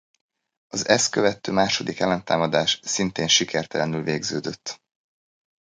Az ezt követő második ellentámadás szintén sikertelenül végződött.